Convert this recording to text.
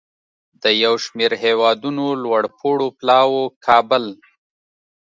د یو شمیر هیوادونو لوړپوړو پلاوو کابل